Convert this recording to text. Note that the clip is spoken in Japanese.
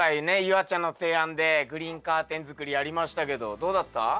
夕空ちゃんの提案でグリーンカーテン作りやりましたけどどうだった？